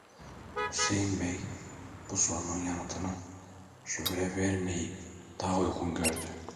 Hüseyin bey bu sorunun yanıtını şoföre vermeyi daha uygun gördü.